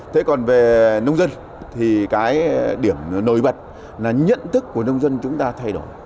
thế còn về nông dân thì cái điểm nổi bật là nhận thức của nông dân chúng ta thay đổi